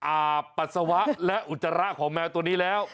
ปัสสาวะและอุจจาระของแมวตัวนี้แล้ว